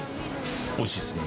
おいしいですね。